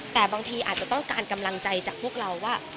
แต่บางทีอาจจะต้องการกำลังใจจากพวกเราว่า